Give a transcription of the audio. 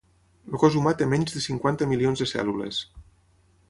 El cos humà té menys de cinquanta milions de cèl·lules.